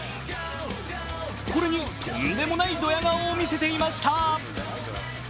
これにとんでもないドヤ顔を見せていました。